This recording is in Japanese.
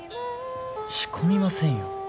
仕込みませんよ